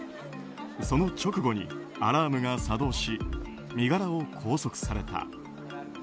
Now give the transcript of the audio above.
その直後にアラームが作動し身柄を拘束された。